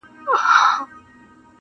ژوند له دې انګار سره پیوند لري-